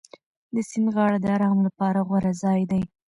د سیند غاړه د ارام لپاره غوره ځای دی.